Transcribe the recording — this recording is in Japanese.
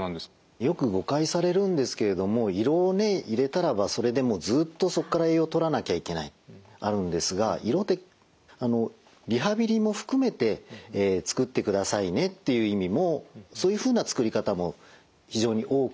よく誤解されるんですけれども胃ろうを入れたらばそれでもうずっとそこから栄養をとらなきゃいけないあるんですが胃ろうってリハビリも含めて作ってくださいねっていう意味もそういうふうな作り方も非常に多くてですね